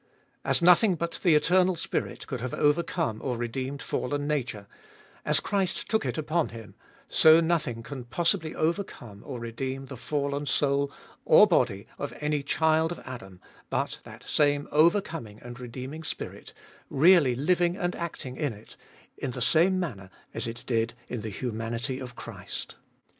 "As nothing but the Eternal Spirit could have overcome or redeemed fallen nature, as Christ took it upon Him, so nothing can possibly overcome or redeem the fallen soul or body of any child of Adam, but that same overcoming and redeeming Spirit, really living and acting in it, in the same manner as it did in the humanity of Christ."